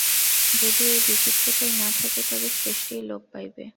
যদি এই বিচিত্রতাই না থাকে, তবে সৃষ্টিই লোপ পাইবে।